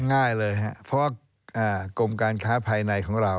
ง่ายเลยครับเพราะว่ากรมการค้าภายในของเรา